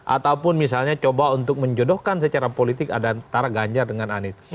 ataupun misalnya coba untuk menjodohkan secara politik antara ganjar dengan anies